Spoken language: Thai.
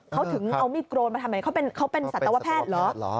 เขาถึงเอามีดโรนมาทำไมเขาเป็นสัตวแพทย์เหรอ